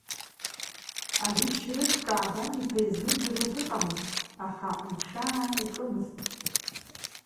Ари Шьрыф Каабаниԥа изымдыруа дыҟамызт, аха агәхьаа икымызт.